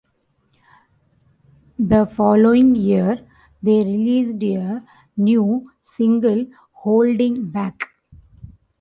The following year they released a new single "Holding Back".